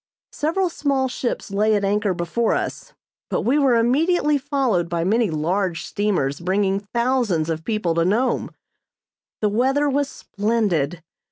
Several small ships lay at anchor before us, but we were immediately followed by many large steamers bringing thousands of people to Nome. The weather was splendid.